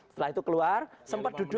setelah itu keluar sempat duduk